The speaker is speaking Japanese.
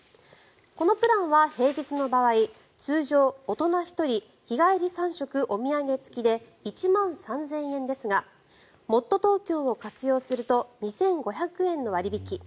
このプランは平日の場合通常大人１人日帰り３食お土産付きで１万３０００円ですがもっとＴｏｋｙｏを活用すると２５００円の割引。